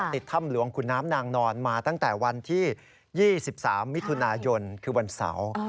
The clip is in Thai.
ถ้ำหลวงขุนน้ำนางนอนมาตั้งแต่วันที่๒๓มิถุนายนคือวันเสาร์